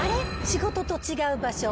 仕事と違う場所